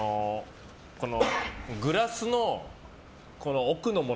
グラスの奥のもの